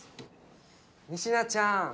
仁科ちゃん